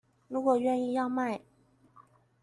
如果願意要賣